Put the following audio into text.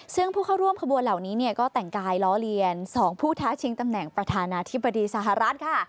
ซึ่งผู้เข้าร่วมขบวนเหล่านี้เนี่ยก็แต่งกายล้อเลียน๒ผู้ท้าชิงตำแหน่งประธานาธิบดีสหรัฐค่ะ